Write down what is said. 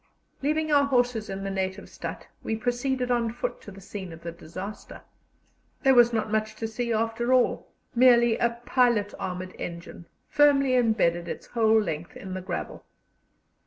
Leaving our horses in the native stadt, we proceeded on foot to the scene of the disaster. There was not much to see, after all merely a pilot armoured engine, firmly embedded its whole length in the gravel.